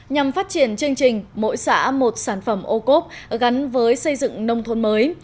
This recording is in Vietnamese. nhằm phát triển chương trình mỗi xã một sản phẩm ô cốp gắn với xây dựng nông thôn mới